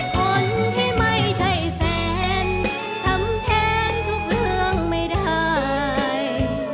คนที่ไม่ใช่แฟนทำแทนทุกเรื่องไม่ได้